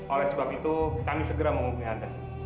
oleh sebab itu kami segera menghubungi anda